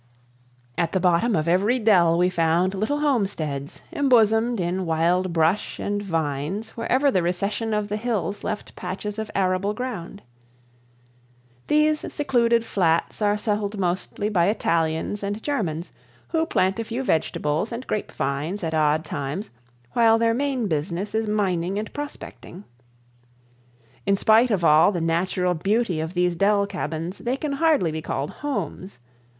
At the bottom of every dell we found little homesteads embosomed in wild brush and vines wherever the recession of the hills left patches of arable ground. These secluded flats are settled mostly by Italians and Germans, who plant a few vegetables and grape vines at odd times, while their main business is mining and prospecting. In spite of all the natural beauty of these dell cabins, they can hardly be called homes.